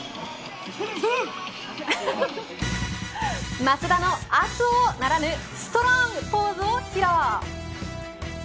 松田の熱男ならぬストロングポーズを披露。